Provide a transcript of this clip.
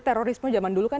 terorisme zaman dulu kan